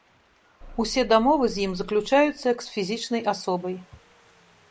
Усе дамовы з ім заключаюцца як з фізічнай асобай.